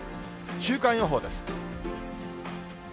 週間予報です。